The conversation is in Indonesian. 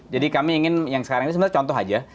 jadi kami ingin yang sekarang ini contoh saja